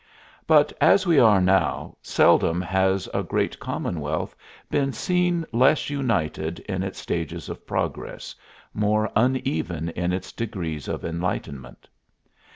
But as we are now, seldom has a great commonwealth been seen less united in its stages of progress, more uneven in its degrees of enlightenment.